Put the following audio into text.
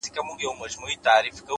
روښانه موخې روښانه لارې پیدا کوي’